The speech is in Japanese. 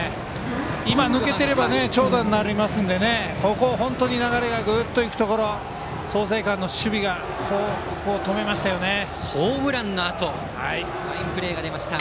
今、抜けていれば長打になりますのでここ本当に流れがぐっと行くところ創成館の守備がホームランのあとファインプレーが出ました。